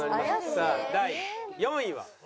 さあ第４位は。